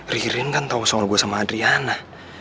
ririn kan tahu soal gue sama adriana